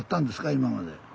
今まで。